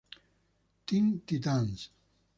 Teen Titans.